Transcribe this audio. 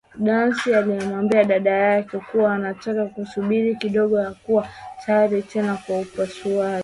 Daisy alimwambia dada yake kuwa anataka kusubiri kidogo hakuwa tayari tena kwa upasuaji